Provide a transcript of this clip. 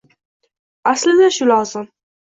Aslida shu lozim.